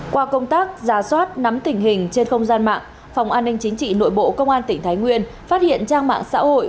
qua công tác ra soát nắm tình hình trên không gian mạng phòng an ninh chính trị nội bộ công an tỉnh thái nguyên phát hiện trang mạng xã hội